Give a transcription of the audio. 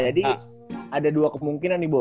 jadi ada dua kemungkinan nih bo